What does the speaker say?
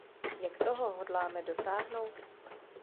Jak toho hodláme dosáhnout?